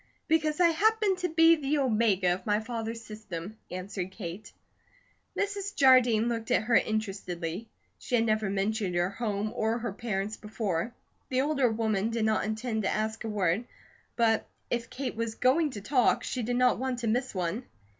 "Because I happened to be the omega of my father's system," answered Kate. Mrs. Jardine looked at her interestedly. She had never mentioned her home or parents before. The older woman did not intend to ask a word, but if Kate was going to talk, she did not want to miss one.